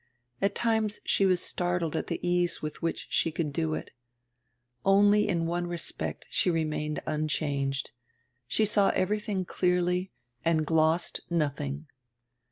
At times she was startled at tire ease with which she could do it. Only in one respect she remained un changed — she saw everything clearly and glossed nothing.